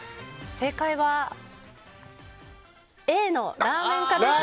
正解は、Ａのラーメン課です。